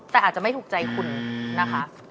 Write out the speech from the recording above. แต่อาจจะไม่ถูกใจคุณนะคะ